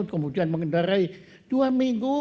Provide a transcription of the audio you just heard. kemudian mengendarai dua minggu